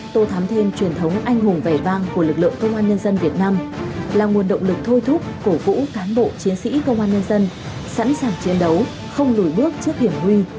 tô thắm thêm truyền thống anh hùng vẻ vang của lực lượng công an nhân dân việt nam là nguồn động lực thôi thúc cổ vũ cán bộ chiến sĩ công an nhân dân sẵn sàng chiến đấu không lùi bước trước hiểm nguy